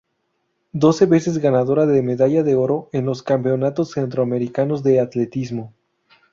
Doce veces ganadora de Medalla de Oro en los Campeonatos Centroamericanos de Atletismo.